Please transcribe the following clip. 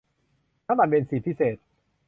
น้ำมันเบนซินพิเศษ